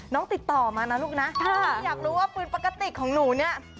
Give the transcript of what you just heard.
ติดต่อมานะลูกนะอยากรู้ว่าปืนปกติของหนูเนี่ย